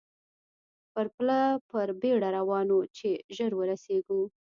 پر پله په بېړه روان وو، چې ژر ورسېږو.